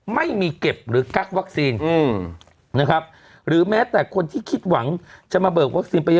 ไม่มีเก็บหรือกักวัคซีนนะครับหรือแม้แต่คนที่คิดหวังจะมาเบิกวัคซีนไปเยอะ